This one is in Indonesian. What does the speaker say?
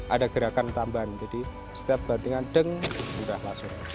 ada gerakan tambahan jadi setiap bantingan deng berakhlas